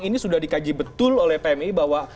ini sudah dikaji betul oleh pmi bahwa